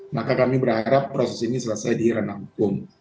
maka kami berharap proses ini selesai di ranah hukum